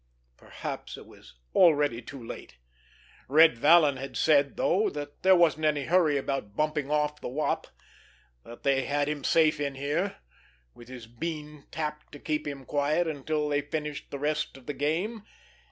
Perhaps he was already too late! Red Vallon had said, though, that there wasn't any hurry about "bumping off" the Wop, that they had him safe in here "with his bean tapped to keep him quiet until they finished the rest of the game."